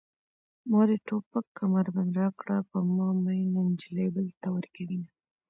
مورې توپک کمربند راکړه په ما مينه نجلۍ بل ته ورکوينه